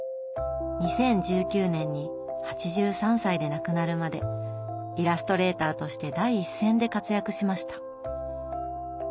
２０１９年に８３歳で亡くなるまでイラストレーターとして第一線で活躍しました。